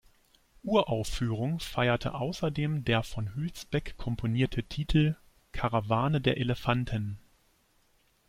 Uraufführung feierte außerdem der von Hülsbeck komponierte Titel „Karawane der Elefanten“.